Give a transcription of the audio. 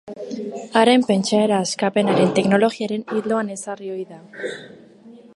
Haren pentsaera Askapenaren Teologiaren ildoan ezarri ohi da.